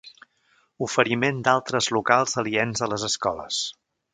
Oferiment d’altres locals aliens a les escoles.